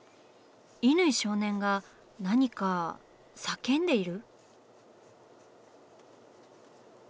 乾少年が何か叫んでいる？